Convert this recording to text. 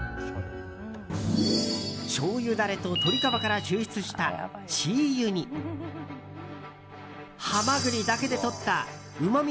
しょうゆダレと鶏皮から抽出した鶏油にハマグリだけでとったうまみ